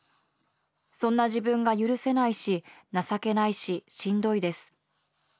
そんな自分が許せないし情けないししんどいです。